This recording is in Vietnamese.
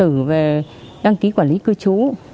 điện tử về đăng ký quản lý cư trú